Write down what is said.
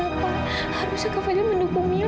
harusnya kak fadil mendukung mila